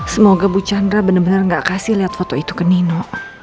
semoga bu chandra bener bener gak kasih liat foto itu ke nino